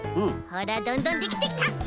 ほらどんどんできてきた！